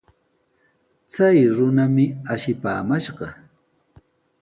Chay runami ashipaamashqa.